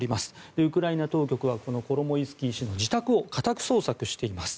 ウクライナ当局はこのコロモイスキー氏の自宅を家宅捜索しています。